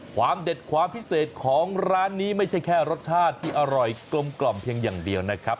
ความเด็ดความพิเศษของร้านนี้ไม่ใช่แค่รสชาติที่อร่อยกลมเพียงอย่างเดียวนะครับ